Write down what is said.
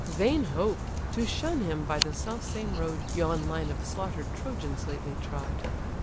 Vain hope! to shun him by the self same road Yon line of slaughter'd Trojans lately trod.